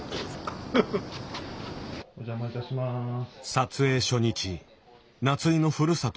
撮影初日夏井のふるさと